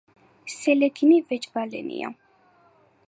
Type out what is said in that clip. სელეგინი ვეჭვალენია.